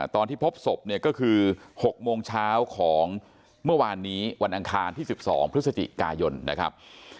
ตอนที่พบศพเนี่ยก็คือ๖โมงเช้าของเมื่อวานนี้วันอังคารที่๑๒พฤศจิกายนนะครับ